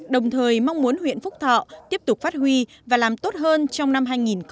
đồng thời mong muốn huyện phúc thọ tiếp tục phát huy và làm tốt hơn trong năm hai nghìn hai mươi